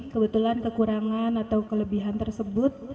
kebetulan kekurangan atau kelebihan tersebut